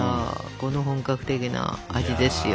この本格的な味ですよ。